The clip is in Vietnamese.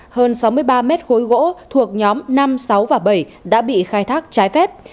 hơn sáu mươi ba mét khối gỗ thuộc nhóm năm sáu và bảy đã bị khai thác trái phép